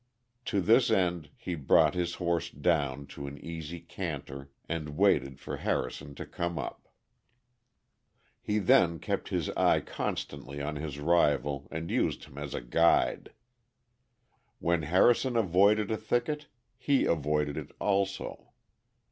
To this end he brought his horse down to an easy canter and waited for Harrison to come up. He then kept his eye constantly on his rival and used him as a guide. When Harrison avoided a thicket he avoided it also.